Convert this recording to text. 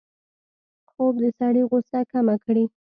خوب د سړي غوسه کمه کړي